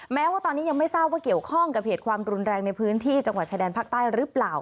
แม้ว่าตอนนี้ยังไม่ทราบว่าเกี่ยวข้องกับเหตุความรุนแรงในพื้นที่จังหวัดชายแดนภาคใต้หรือเปล่า